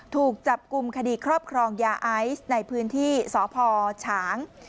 ถูกจับกลุ่มคดีครอบครองยาไอซ์ในพื้นที่สพฉาง